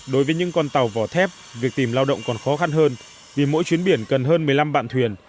đối với những con tàu vỏ thép việc tìm lao động còn khó khăn hơn vì mỗi chuyến biển cần hơn một mươi năm bạn thuyền